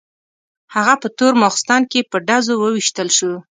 هغه په تور ماخستن کې په ډزو وویشتل شو.